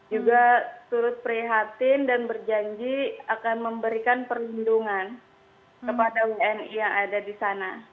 juga turut prihatin dan berjanji akan memberikan perlindungan kepada wni yang ada di sana